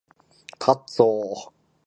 洗濯する。